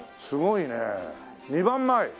すごいね２万枚。